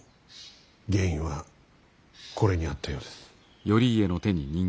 原因はこれにあったようです。